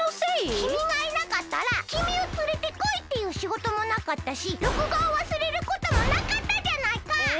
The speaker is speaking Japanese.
きみがいなかったらきみをつれてこいっていうしごともなかったし録画をわすれることもなかったじゃないか！